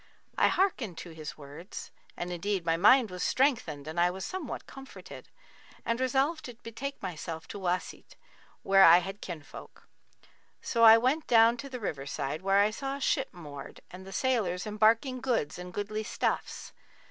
I hearkened to his words (and indeed my mind was strengthened and I was somewhat comforted) and resolved to betake myself to Wasit,[FN#41] where I had kinfolk. So I went down to the river side, where I saw a ship moored and the sailors embarking goods and goodly stuffs.